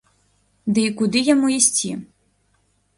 Ды і куды яму ісці?